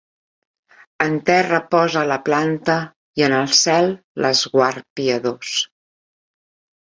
En terra posa la planta i en el cel l’esguard piadós.